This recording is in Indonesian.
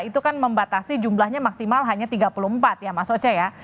itu kan membatasi jumlahnya maksimal hanya tiga puluh empat ya mas oce ya